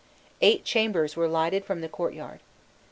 Eight chambers were lighted from the courtyard.